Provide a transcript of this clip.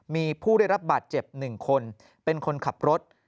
มีผู้ได้รับบาดเจ็บ๑คนเป็นคนขับรถ